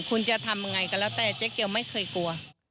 คุณจะทำยังไงก็แล้วแต่เจ๊เกียวไม่เคยกลัว